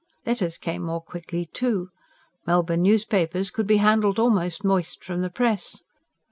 Letters came more quickly, too; Melbourne newspapers could be handled almost moist from the press.